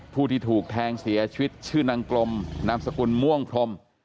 ผู้ที่ถูกแทงเสียชีวิตชื่อนางกลมนามสกุลม่วงพรม